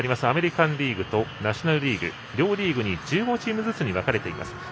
アメリカンリーグとナショナルリーグ両リーグに１５チームずつに分かれています。